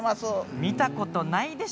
見たことないでしょ？